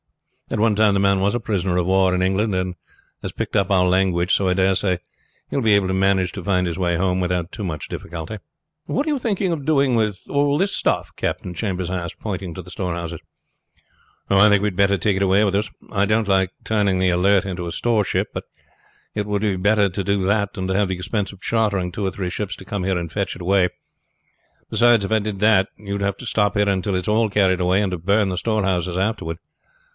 At one time the man was a prisoner of war in England and has picked up our language, so I dare say he will be able to manage to find his way home without difficulty." "What are you thinking of doing with all this stuff?" Captain Chambers asked, pointing to the storehouses. "I think we had better take it away with us. I don't like turning the Alert into a storeship; but it would be better to do that than to have the expense of chartering two or three ships to come here to fetch it away. Beside, if I did that, you would have to stop here until it is all carried away, and to burn the storehouses afterward."